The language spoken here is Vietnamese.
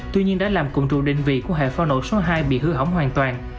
tuy nhiên đã làm cụm trụ định vị của hệ phao nổ số hai bị hư hỏng hoàn toàn